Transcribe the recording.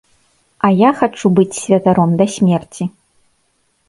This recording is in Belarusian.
А я хачу быць святаром да смерці.